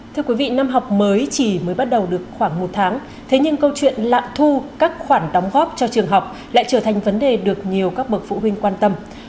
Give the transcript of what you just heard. thưa quý vị năm học mới chỉ mới bắt đầu được khoảng một tháng thế nhưng câu chuyện lạm thu các khoản đóng góp cho trường học lại trở thành vấn đề được nhiều các bậc phụ huynh quan tâm